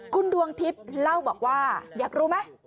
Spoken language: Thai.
คุณดวงทิพย์เล่าบอกว่าอยากรู้ไหม